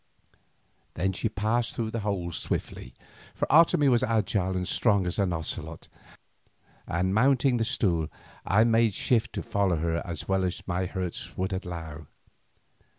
Then she passed through the hole swiftly, for Otomie was agile and strong as an ocelot, and mounting the stool I made shift to follow her as well as my hurts would allow.